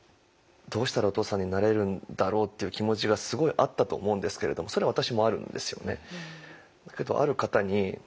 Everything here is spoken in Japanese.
どうしたらお父さんになれるんだろうっていう気持ちがすごいあったと思うんですけれどもそれは私もあるんですよね。